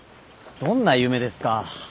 どんな夢ですか。